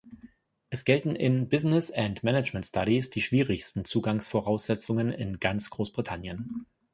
Es gelten in "Business and Management Studies" die schwierigsten Zugangsvoraussetzungen in ganz Großbritannien.